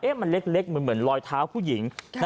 เอ๊ะมันเล็กเหมือนรอยเท้าผู้หญิง